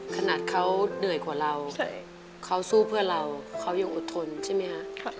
ขนาดเขาเหนื่อยกว่าเราเขาสู้เพื่อเราเขายังอดทนใช่ไหมฮะ